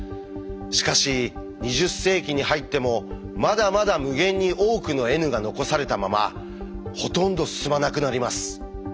しかし２０世紀に入ってもまだまだ無限に多くのｎが残されたままほとんど進まなくなります。